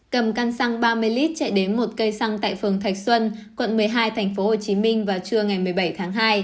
cầm căn xăng ba mươi lít chạy đến một cây xăng tại phường thạch xuân quận một mươi hai thành phố hồ chí minh vào trưa ngày một mươi bảy tháng hai